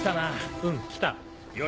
うん来た。